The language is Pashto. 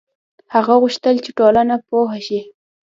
هغه غوښتل چې ټولنه پوه شي.